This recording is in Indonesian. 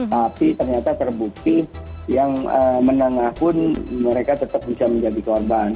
tapi ternyata terbukti yang menengah pun mereka tetap bisa menjadi korban